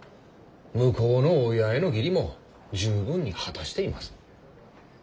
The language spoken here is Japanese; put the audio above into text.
向こうの親への義理も十分に果たしています。